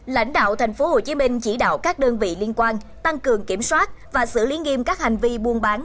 lãnh đạo tp hcm chỉ đạo các đơn vị liên quan tăng cường kiểm soát và xử lý nghiêm các hành vi buôn bán